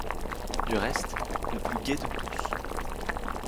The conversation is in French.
Du reste, le plus gai de tous.